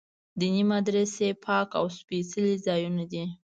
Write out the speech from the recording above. دیني مدرسې پاک او سپېڅلي ځایونه دي.